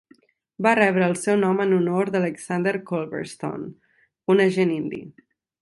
Va rebre el seu nom en honor d'Alexander Culbertson, un agent indi.